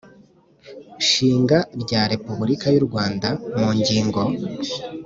Nshinga rya repubulika y u Rwanda mu ngingo